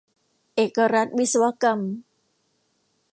เอกรัฐวิศวกรรม